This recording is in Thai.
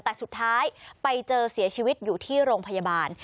แต่สุดท้ายไปเจอเสียชีวิตอยู่ที่โรงพยาบาล